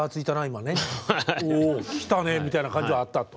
今ねおきたねみたいな感じはあったと。